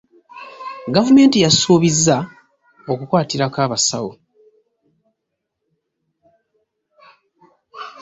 Gavumenti yasubizza okukwatirako abasawo.